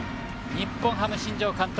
日本ハム、新庄監督